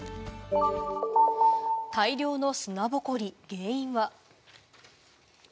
大量の砂ぼこり、原因は？